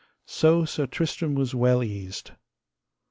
So Sir Tristram was well eased.